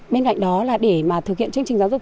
bên cạnh đó để thực hiện chương trình giáo dục